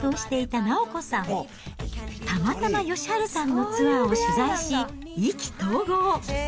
たまたま義治さんのツアーを取材し、意気投合。